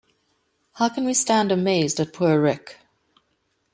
How can we stand amazed at poor Rick?